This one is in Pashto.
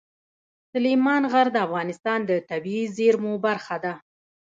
سلیمان غر د افغانستان د طبیعي زیرمو برخه ده.